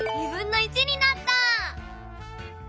になった！